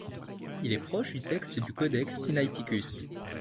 Il est proche du texte du codex Sinaiticus.